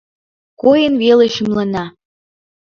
Койын веле шӱмлана.